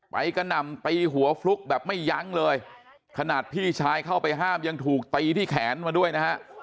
กระหน่ำตีหัวฟลุ๊กแบบไม่ยั้งเลยขนาดพี่ชายเข้าไปห้ามยังถูกตีที่แขนมาด้วยนะฮะ